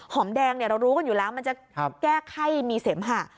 แดงเรารู้กันอยู่แล้วมันจะแก้ไข้มีเสมหะ